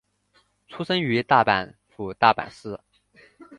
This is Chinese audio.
出身于大阪府大阪市。